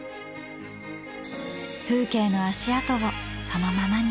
風景の足跡をそのままに。